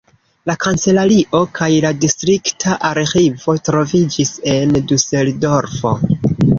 La kancelario kaj la distrikta arĥivo troviĝis en Duseldorfo.